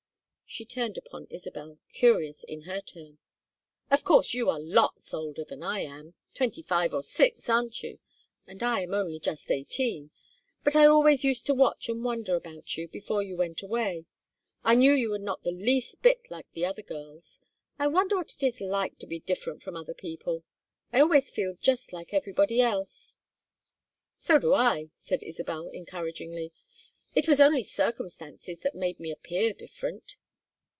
She turned upon Isabel, curious in her turn. "Of course you are lots older than I am twenty five or six, aren't you? And I am only just eighteen. But I always used to watch and wonder about you before you went away. I knew you were not the least bit like the other girls. I wonder what it is like to be different from other people. I always feel just like everybody else." "So do I," said Isabel, encouragingly. "It was only circumstances that made me appear different."